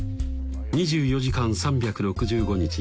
２４時間３６５日